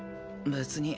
別に。